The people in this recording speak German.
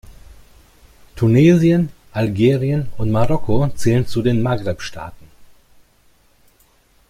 Tunesien, Algerien und Marokko zählen zu den Maghreb-Staaten.